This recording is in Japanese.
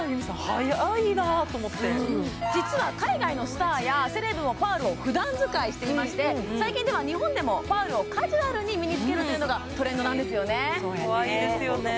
早いなと思って実は海外のスターやセレブもパールを普段使いしていまして最近では日本でもパールをカジュアルに身につけるっていうのがトレンドなんですよねかわいいですよね